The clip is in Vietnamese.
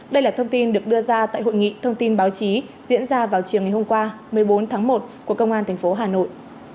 đây là thông tin được đưa ra tại hội nghị thông tin báo chí diễn ra vào chiều ngày hôm qua một mươi bốn tháng một của công an tp hà nội